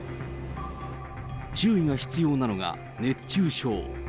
注意が必要なのが熱中症。